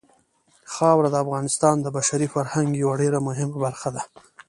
خاوره د افغانستان د بشري فرهنګ یوه ډېره مهمه برخه ده.